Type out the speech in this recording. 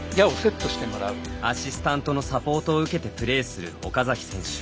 アシスタントのサポートを受けてプレーする岡崎選手。